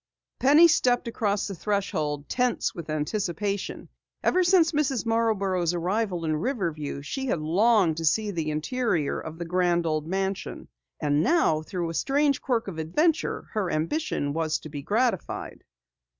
Penny stepped across the threshold, tense with anticipation. Ever since Mrs. Marborough's arrival in Riverview she had longed to see the interior of the grand old mansion. And now, through a strange quirk of adventure, her ambition was to be gratified.